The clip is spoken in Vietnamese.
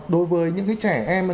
đối với những cái trẻ em